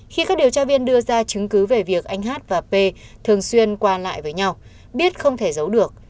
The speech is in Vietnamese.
khi các điều tra viên đưa ra chứng cứ về việc anh hát và p thường xuyên qua lại với nhau biết không thể giấu được